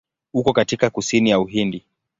Uko katika kusini ya Uhindi.